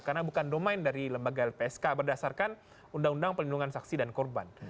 karena bukan domain dari lembaga lpsk berdasarkan undang undang perlindungan saksi dan korban